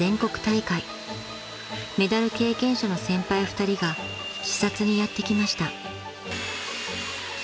［メダル経験者の先輩２人が視察にやって来ました］